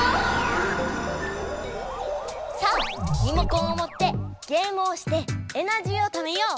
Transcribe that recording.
さあリモコンをもってゲームをしてエナジーをためよう！